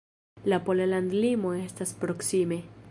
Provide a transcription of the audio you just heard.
La pola landlimo estas proksime.